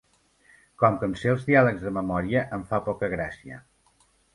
Com que em sé els diàlegs de memòria, em fa poca gràcia.